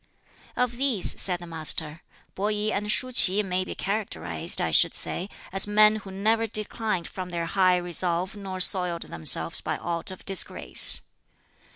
"Of these," said the Master, "Peh I and Shuh Ts'i may be characterized, I should say, as men who never declined from their high resolve nor soiled themselves by aught of disgrace.